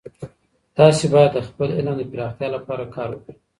تاسې باید د خپل علم د پراختیا لپاره کار وکړئ.